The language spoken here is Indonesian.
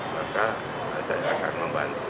maka saya akan membantu